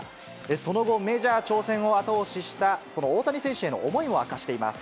その後、メジャー挑戦を後押しした、その大谷選手への思いを明かしています。